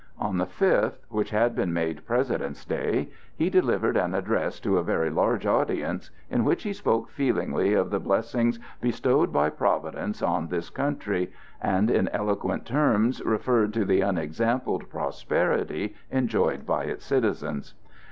On the fifth—which had been made President's Day—he delivered an address to a very large audience, in which he spoke feelingly of the blessings bestowed by Providence on this country, and in eloquent terms referred to the unexampled prosperity enjoyed by its citizens.